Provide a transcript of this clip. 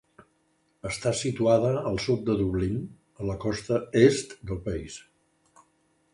Està situada al sud de Dublín, a la costa est del país.